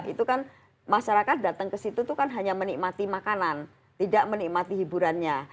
itu kan masyarakat datang ke situ itu kan hanya menikmati makanan tidak menikmati hiburannya